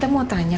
tante mau tanya